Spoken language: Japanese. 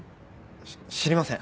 し知りません。